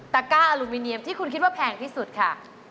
ก้าอลูมิเนียมที่คุณคิดว่าแพงที่สุดค่ะ